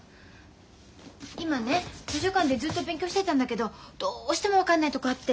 今ね図書館でずっと勉強してたんだけどどうしても分かんないとこあって。